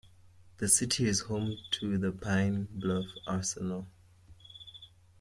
The city is home to the Pine Bluff Arsenal.